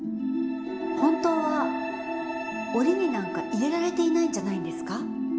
本当は檻になんか入れられていないんじゃないんですか？